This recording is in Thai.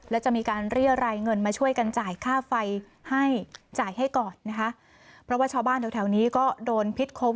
แล้วจะมีการเรียรายเงินมาช่วยกันจ่าย